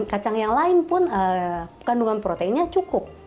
kacang yang lain pun kandungan proteinnya cukup